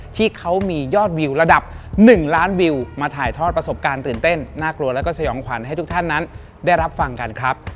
ที่เขามียอดวิวระดับ๑ล้านวิวมาถ่ายทอดประสบการณ์ตื่นเต้นน่ากลัวแล้วก็สยองขวัญให้ทุกท่านนั้นได้รับฟังกันครับ